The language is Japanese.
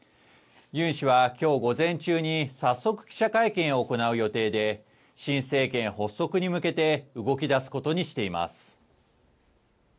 ユン氏はきょう午前中に、早速記者会見を行う予定で、新政権発足に向けて動きだすことにしています。